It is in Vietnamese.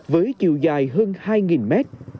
với chiều dài hơn hai nghìn m